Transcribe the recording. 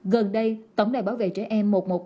gần đây tổng đài bảo vệ trẻ em một trăm một mươi ba